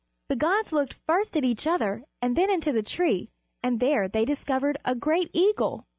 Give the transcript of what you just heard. The gods looked first at each other and then into the tree, and there they discovered a great eagle.